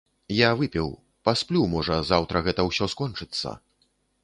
Я выпіў, пасплю, можа, заўтра гэта ўсё скончыцца.